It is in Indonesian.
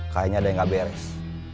kayaknya ada yang gak beres